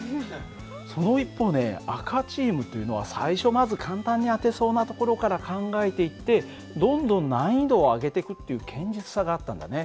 その一方ね赤チームというのは最初まず簡単に当てそうなところから考えていってどんどん難易度を上げてくっていう堅実さがあったんだね。